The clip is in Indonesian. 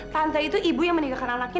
tante itu ibu yang meninggalkan anaknya